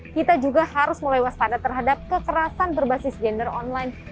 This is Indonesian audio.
kita juga harus mulai waspada terhadap kekerasan berbasis gender online